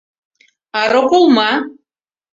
— А роколма?!